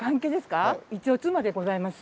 一応妻でございます。